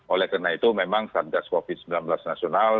oleh karena itu memang satgas covid sembilan belas nasional